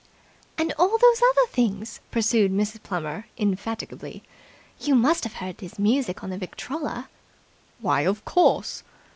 "And all those other things," pursued Miss Plummer indefatigably. "You must have heard his music on the Victrola." "Why, of course!"